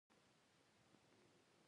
د نجونو تعلیم د فزیک علم ته وده ورکوي.